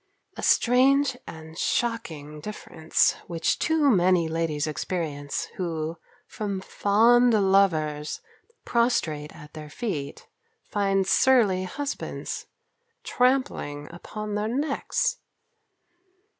A strange and shocking difference which too many ladies experience, who, from fond lovers, prostrate at their feet, find surly husbands, trampling upon their necks!